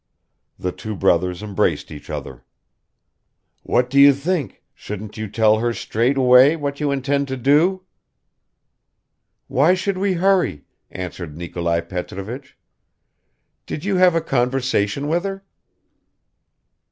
The brothers embraced each other. "What do you think, shouldn't you tell her straight away what you intend to do?" "Why should we hurry?" answered Nikolai Petrovich. "Did you have a conversation with her?"